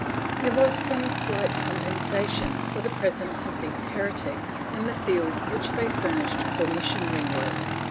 ^ There was some slight compensation, for the presence of these heretics, in the field which they furnished for missionary work.